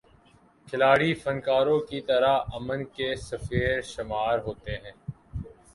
کھلاڑی فنکاروں کی طرح امن کے سفیر شمار ہوتے ہیں۔